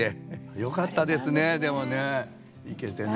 よかったですねでもね行けてね。